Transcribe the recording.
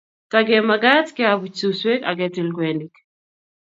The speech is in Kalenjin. Tage magat keabuch suswek ak ketil kwenik